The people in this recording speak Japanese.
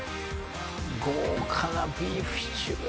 豪華なビーフシチューや。